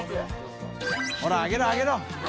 ほらあげろあげろ！